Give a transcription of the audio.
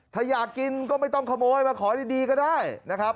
ถ้าอยากกินก็ไม่ต้องขโมยมาขอดีก็ได้นะครับ